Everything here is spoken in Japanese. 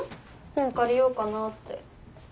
本借りようかなって。